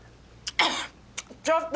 ちょっと！